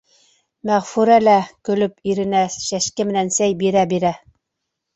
Мәғфүрә лә, көлөп, иренә шәшке менән сәй бирә-бирә: